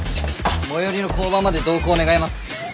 最寄りの交番まで同行願います。